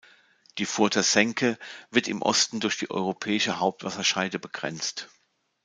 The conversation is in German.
Die Further Senke wird im Osten durch die Europäische Hauptwasserscheide begrenzt.